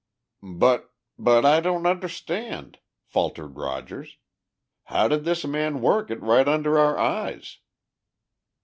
"But but I don't understand," faltered Rogers. "How did this man work it right under our eyes?"